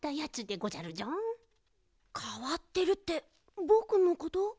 かわってるってぼくのこと？